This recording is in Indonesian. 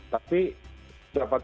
tapi mereka dapat telepon dari pihak pusat